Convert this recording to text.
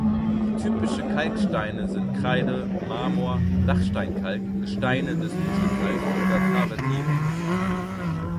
Typische Kalksteine sind Kreide, Marmor, Dachsteinkalk, Gesteine des Muschelkalk oder Travertin.